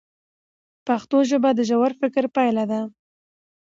پښتو ژبه د ژور فکر پایله ده.